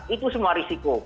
itu semua risiko